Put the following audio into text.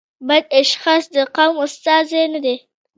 بد اشخاص د قوم استازي نه دي.